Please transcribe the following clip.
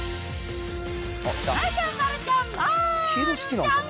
丸ちゃん、丸ちゃん、まーるちゃん。